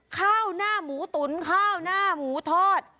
ข้าวหน้าหมูตุ๋นข้าวหน้าหมูทอด